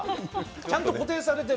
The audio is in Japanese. ちゃんと固定されてる。